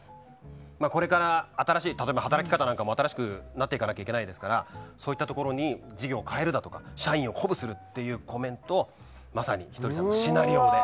これから働き方が新しくなっていかないといけないですからそういったところに事業を変えるですとか社員を鼓舞するというコメントをまさにひとりさんのシナリオで。